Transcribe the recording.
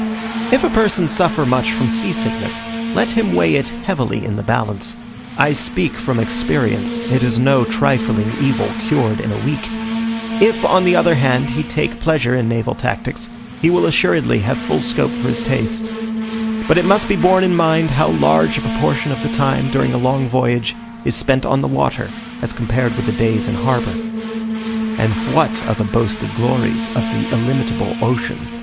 If a person suffer much from sea sickness, let him weigh it heavily in the balance. I speak from experience: it is no trifling evil, cured in a week. If, on the other hand, he take pleasure in naval tactics, he will assuredly have full scope for his taste. But it must be borne in mind, how large a proportion of the time, during a long voyage, is spent on the water, as compared with the days in harbour. And what are the boasted glories of the illimitable ocean.